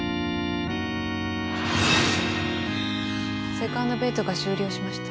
セカンドベットが終了しました。